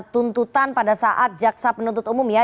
tuntutan pada saat jaksa penuntut umum ya